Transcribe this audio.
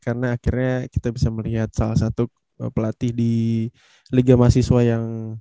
sangat legenda lah ya